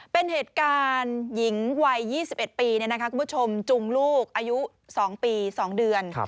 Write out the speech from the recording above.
เป็นเหตุการณ์หญิงวัย๒๑ปีคุณผู้ชมจุงลูกอายุ๒ปี๒เดือน